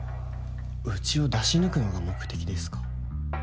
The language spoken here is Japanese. うちを出し抜くのが目的ですか？